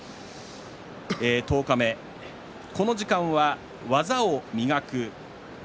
十日目、この時間は「技を磨く」。